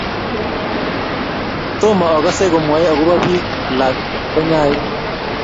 Tomo akesei komwoe akobo biik alak konyait